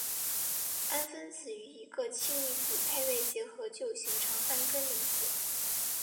氨分子与一个氢离子配位结合就形成铵根离子。